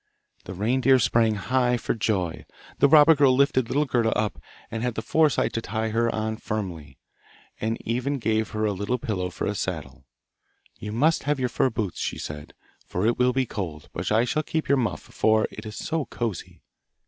The reindeer sprang high for joy. The robber girl lifted little Gerda up, and had the foresight to tie her on firmly, and even gave her a little pillow for a saddle. 'You must have your fur boots,' she said, 'for it will be cold; but I shall keep your muff, for it is so cosy!